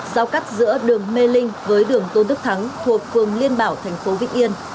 giao cắt giữa đường mê linh với đường tôn đức thắng thuộc phường liên bảo thành phố vĩnh yên